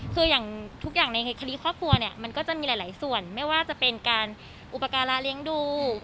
คืออย่างทุกอย่างในคดีครอบครัวเนี่ยมันก็จะมีหลายส่วนไม่ว่าจะเป็นการอุปการะเลี้ยงดู